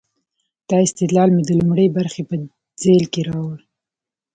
دا استدلال مې د لومړۍ برخې په ذیل کې راوړ.